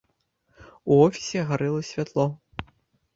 У офісе гарэла святло.